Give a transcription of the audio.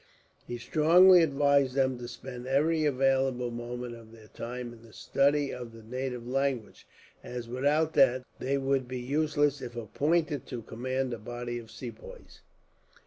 He strongly advised them to spend every available moment of their time in the study of the native language; as, without that, they would be useless if appointed to command a body of Sepoys.